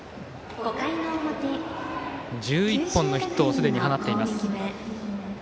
１１本のヒットをすでに放っています。